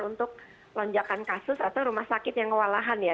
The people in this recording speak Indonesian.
untuk lonjakan kasus atau rumah sakit yang kewalahan ya